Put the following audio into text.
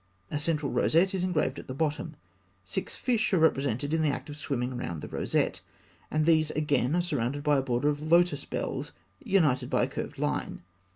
A central rosette is engraved at the bottom. Six fish are represented in the act of swimming round the rosette; and these again are surrounded by a border of lotus bells united by a curved line.